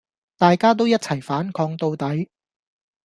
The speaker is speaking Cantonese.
大家都一齊反抗到底